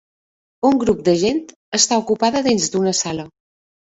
Un grup de gent està ocupada dins d'una sala.